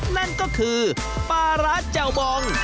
นั่นก็คือปลาร้าแจ่วบอง